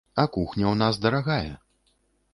А кухня ў нас дарагая.